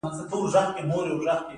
هېواد یې د اړدوړ منګولو ته وروسپاره.